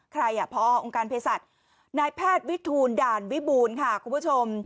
ใครอ่ะพอองค์การเพศสัตว์นายแพทย์วิทูลด่านวิบูรณ์ค่ะคุณผู้ชม